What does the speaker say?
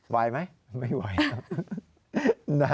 ไหวไหมไม่ไหวครับ